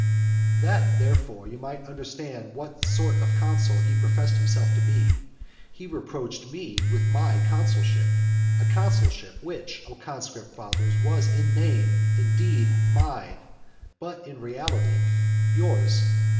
That, therefore, you might understand what sort of a consul he professed to be himself, he reproached me with my consulship; a consulship which, O conscript fathers, was in name, indeed, mine, but in reality yours.